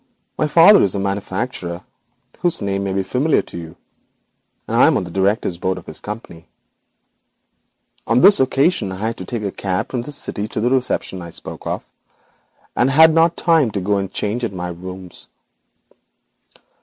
'My father is a manufacturer whose name may be familiar to you, and I am on the directors' board of his company. On this occasion I took a cab from the city to the reception I spoke of, and had not time to go and change at my rooms.